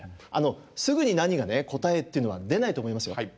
あのすぐに何が答えっていうのは出ないと思いますよ。